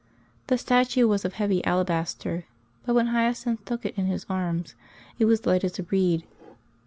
The statue was of heavy alabaster, but when Hyacinth took it in his arms it was light as a reed.